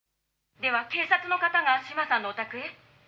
「では警察の方が島さんのお宅へ？」